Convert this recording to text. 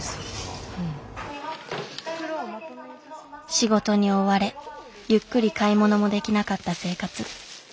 仕事に追われゆっくり買い物もできなかった生活。